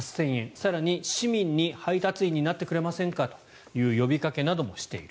更に市民に、配達員になってくれませんかという呼びかけなどもしている。